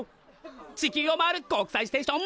地球を回る国際ステーション！